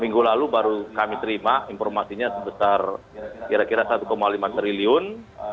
minggu lalu baru kami terima informasinya sebesar kira kira satu lima triliun